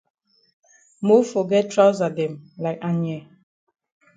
Mofor get trousa dem like Anye.